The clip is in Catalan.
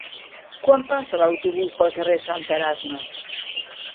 Quan passa l'autobús pel carrer Sant Erasme?